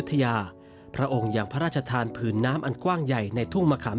ทั้งแต่งเก็บชีวิต